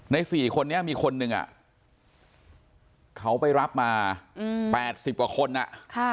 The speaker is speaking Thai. ๔คนนี้มีคนหนึ่งอ่ะเขาไปรับมา๘๐กว่าคนอ่ะ